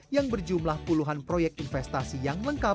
yang berjumlah puluhan proyek investasi yang lengkap